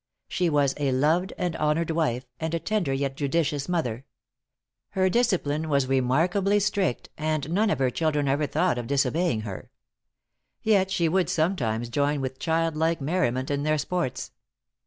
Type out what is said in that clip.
She was a loved and honored wife, and a tender yet judicious mother. Her discipline was remarkably strict, and none of her children ever thought of disobeying her. Yet she would sometimes join with child like merriment in their sports.